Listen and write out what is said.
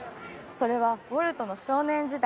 それはウォルトの少年時代